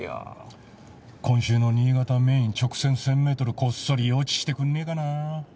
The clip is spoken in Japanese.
今週の新潟メイン直線１０００メートルこっそり予知してくんねえかなあ。